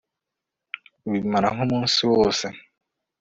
bimara nk'umunsi wose